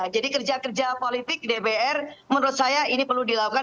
jadi kerja kerja politik dpr menurut saya ini perlu dilakukan